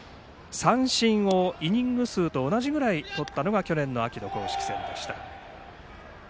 三振をイニング数と同じぐらいとったのが去年秋の公式戦でした。